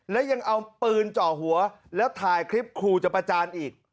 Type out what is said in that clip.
และยังเอาปืนเจาะหัวแล้วถ่ายคลิปขู่จะประจานอีก